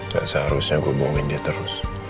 gak seharusnya gue bohongin dia terus